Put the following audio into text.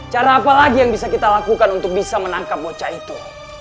cara apa lagi yang bisa kita lakukan untuk bisa menangkap bocah itu